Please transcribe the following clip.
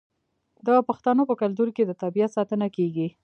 د پښتنو په کلتور کې د طبیعت ساتنه کیږي.